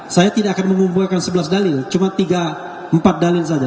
saya tidak akan mengumpulkan sebelas dalil cuma tiga empat dalil saja